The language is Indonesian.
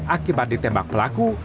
akibat ditembak pelaku